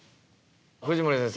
藤森先生